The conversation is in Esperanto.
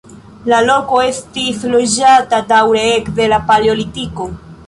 La loko estis loĝata daŭre ekde la paleolitiko.